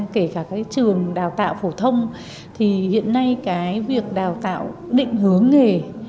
kể cả các trường đào tạo phổ thông thì hiện nay cái việc đào tạo định hướng nghề